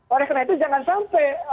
oleh karena itu jangan sampai